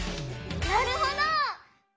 なるほど！